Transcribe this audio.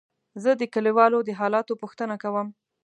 زه د کليوالو د حالاتو پوښتنه کوم.